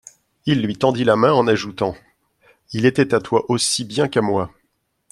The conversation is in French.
Il lui tendit la main en ajoutant : Il était à toi aussi bien qu'à moi.